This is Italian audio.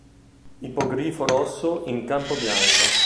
Ippogrifo rosso in campo bianco.